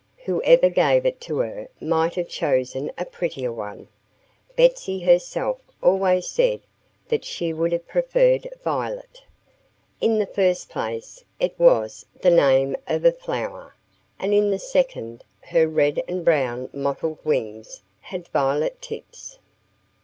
Whoever gave it to her might have chosen a prettier one. Betsy herself always said that she would have preferred Violet. In the first place, it was the name of a flower. And in the second, her red and brown mottled wings had violet tips.